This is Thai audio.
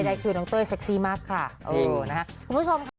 ใดคือน้องเต้ยเซ็กซี่มากค่ะเออนะคะคุณผู้ชมค่ะ